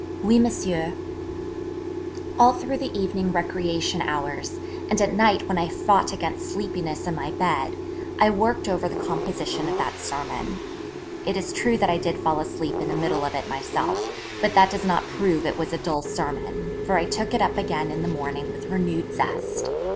'Oui, Monsieur.' All through the evening recreation hours, and at night when I fought against sleepiness in my bed, I worked over the composition of that sermon. It is true that I did fall asleep in the middle of it myself; but that does not prove it was a dull sermon, for I took it up again in the morning with renewed zest.